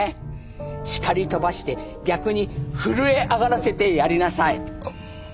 叱り飛ばして逆に震え上がらせてやりなさい。